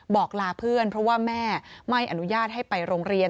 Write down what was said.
บอกลาเพื่อนเพราะว่าแม่ไม่อนุญาตให้ไปโรงเรียน